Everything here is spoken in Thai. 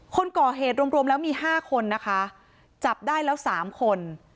คนก่อเหตุรวมแล้วมี๕คนนะคะจับได้แล้ว๓คน